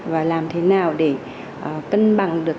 và làm thế nào để cân bằng được